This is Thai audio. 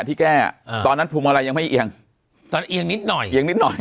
ที่แก้อ่าตอนนั้นพวงมาลัยยังไม่เอียงตอนเอียงนิดหน่อยเอียงนิดหน่อย